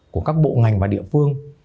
của các bộ ngành và địa phương